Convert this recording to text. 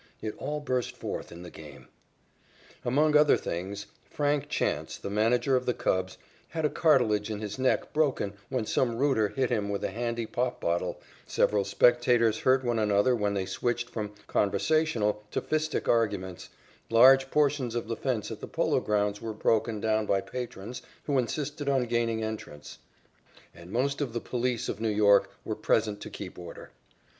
It all burst forth in the game. Among other things, Frank Chance, the manager of the Cubs, had a cartilage in his neck broken when some rooter hit him with a handy pop bottle, several spectators hurt one another when they switched from conversational to fistic arguments, large portions of the fence at the Polo Grounds were broken down by patrons who insisted on gaining entrance, and most of the police of New York were present to keep order.